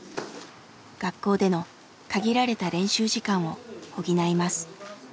学校での限られた練習時間を補います。